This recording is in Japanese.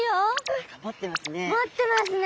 何か持ってますね。